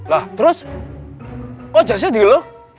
lah terus kok jasnya di lo